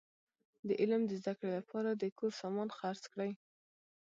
د علم د زده کړي له پاره د کور سامان خرڅ کړئ!